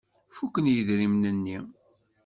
Fuken yidrimen-nni.